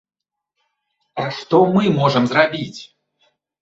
А што мы можам зрабіць?